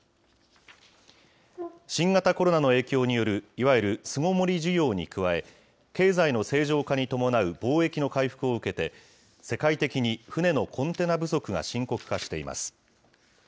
新型コロナの影響による、いわゆる巣ごもり需要に加え、経済の正常化に伴う貿易の回復を受けて、世界的に船のコンテナ不足が深刻化しています。